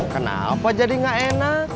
kenapa jadi gak enak